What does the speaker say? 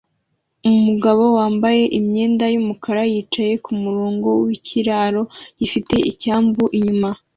Umugore wambaye imyenda yumukara yicaye kumurongo wikiraro gifite icyambu inyuma